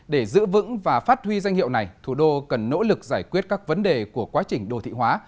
để giữ vững và phát huy danh hiệu này thủ đô cần nỗ lực giải quyết các vấn đề của quá trình đô thị hóa